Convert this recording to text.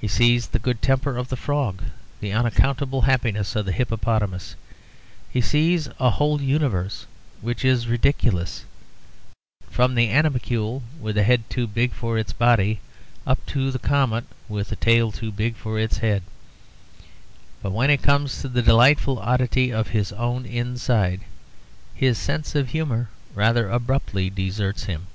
He sees the good temper of the frog, the unaccountable happiness of the hippopotamus. He sees a whole universe which is ridiculous, from the animalcule, with a head too big for its body, up to the comet, with a tail too big for its head. But when it comes to the delightful oddity of his own inside, his sense of humour rather abruptly deserts him.